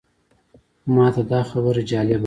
ماته دا خبره جالبه ده.